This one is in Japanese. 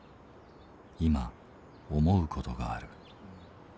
今思う事がある。